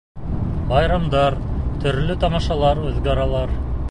Байрамдар, төрлө тамашалар уҙғаралар.